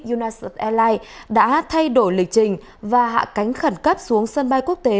unice airlines đã thay đổi lịch trình và hạ cánh khẩn cấp xuống sân bay quốc tế